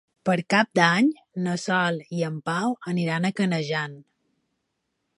Per Cap d'Any na Sol i en Pau aniran a Canejan.